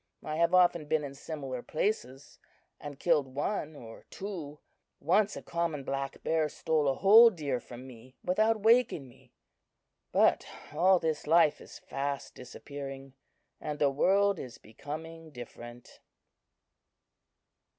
I have often been in similar places, and killed one or two. Once a common black bear stole a whole deer from me without waking me. But all this life is fast disappearing, and the world is becoming different."